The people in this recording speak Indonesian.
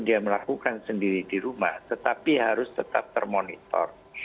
dia melakukan sendiri di rumah tetapi harus tetap termonitor